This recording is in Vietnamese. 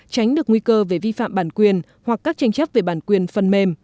tránh được nguy cơ về vi phạm bản quyền hoặc các tranh chấp về bản quyền phần mềm